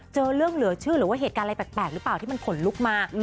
เจอเรื่องเหลือเชื่อหรือว่าเหตุการณ์อะไรแปลกหรือเปล่าที่มันขนลุกมา